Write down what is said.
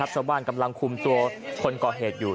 ชาวบ้านกำลังคุมตัวคนก่อเหตุอยู่